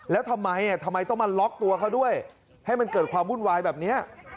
แล้วทำไมทำไมต้องมาล็อกตัวเขาด้วยให้มันเกิดความวุ่นวายแบบนี้